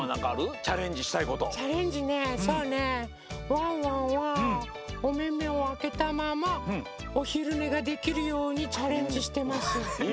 ワンワンはおめめをあけたままおひるねができるようにチャレンジしてます。